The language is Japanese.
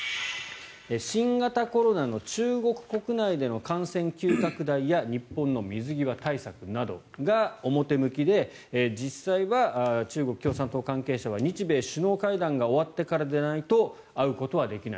新型コロナの中国国内での感染急拡大や日本の水際対策などが表向きで実際は中国共産党関係者は日米首脳会談が終わってからでないと会うことはできない。